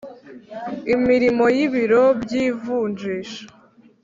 imirimo y ibiro by ivunjisha